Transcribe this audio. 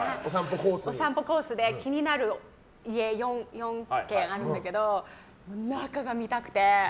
お散歩コースで気になる家４軒あるんだけど中が見たくて。